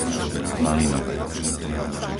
Malinovec